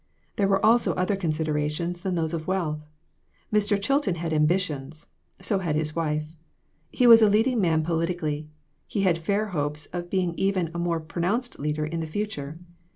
There were also other considera tions than those of wealth. Mr. Chilton hac? ambitions ; so had his wife. He was a leading man politically ; he had fair hopes of being even a more pronounced leader in the future.